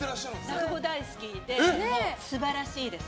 落語大好きで素晴らしいです。